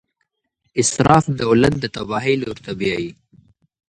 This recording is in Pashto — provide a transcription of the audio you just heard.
اسراف دولت د تباهۍ لور ته بیايي.